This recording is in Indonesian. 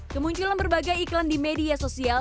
kemunculan berbagai iklan di media sosial